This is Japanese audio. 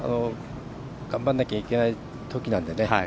頑張らなきゃいけないときなので。